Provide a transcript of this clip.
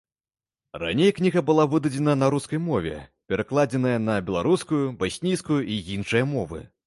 Раней кніга была выдадзена на рускай мове, перакладзеная на беларускую, баснійскую і іншыя мовы.